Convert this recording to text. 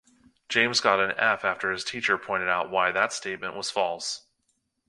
James got an F after his teacher pointed out why that statement was false.